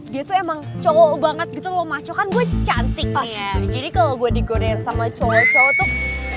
dia tuh emang cowok banget gitu loh maco kan gue cantiknya jadi kalau gue digoreng sama cowok cowok tuh